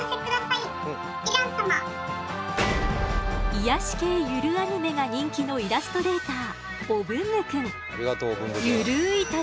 癒やし系ゆるアニメが人気のイラストレーターありがとうお文具くん。